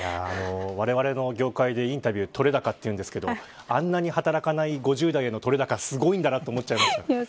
われわれの業界でインタビューとれ高というんですけどあんなに、働かない５０代へのとれ高すごいんだなと思っちゃいました。